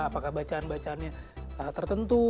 apakah bacaan bacaannya tertentu